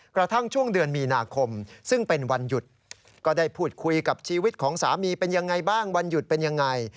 กระทั่งช่วงเดือนมีนาคมซึ่งเป็นวันหยุดก็ได้พูดคุยกับชีวิตของสามีเป็นยังไงบ้างวันหยุดเป็นยังไง